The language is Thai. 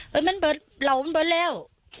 เฮ้ยมันเบิดเหล่ามันเบิดแล้ว